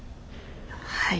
はい。